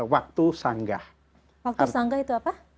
waktu sanggah waktu sanggah itu apa